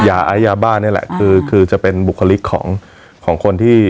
ไอ้ยาบ้านนี่แหละคือคือจะเป็นบุคลิกของของคนที่